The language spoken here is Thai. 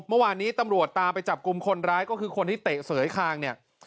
เมื่อวานนี้ตำรวจตามไปจับกลุ่มคนร้ายก็คือคนที่เตะเสยคางเนี่ย